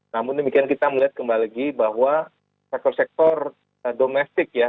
namun demikian kita melihat kembali lagi bahwa sektor sektor domestik ya